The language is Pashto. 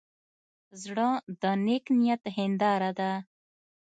زړه د نیک نیت هنداره ده.